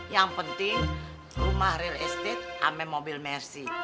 yang penting rumah real estate ama mobil merci